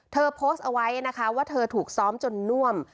โพสต์เอาไว้นะคะว่าเธอถูกซ้อมจนน่วม